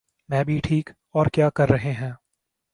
میں بھی ٹھیک۔ اور کیا کر رہے ہیں؟